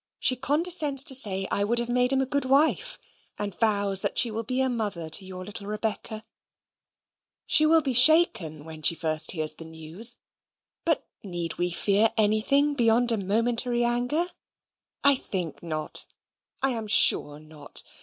She condescends to say I would have made him a good wife; and vows that she will be a mother to your little Rebecca. She will be shaken when she first hears the news. But need we fear anything beyond a momentary anger? I think not: I AM SURE not.